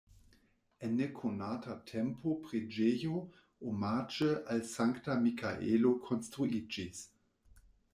En nekonata tempo preĝejo omaĝe al Sankta Mikaelo konstruiĝis.